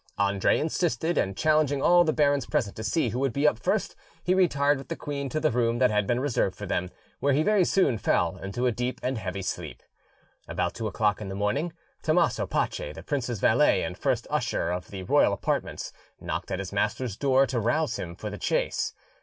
Andre insisted, and challenging all the barons present to see who would be up first, he retired with the queen to the room that had been reserved for them, where he very soon fell into a deep and heavy sleep. About two o'clock in the morning, Tommaso Pace, the prince's valet and first usher of the royal apartments, knocked at his master's door to rouse him for the chase.